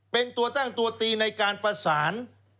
เป็นตัวตั้งตัวตีในการประสาน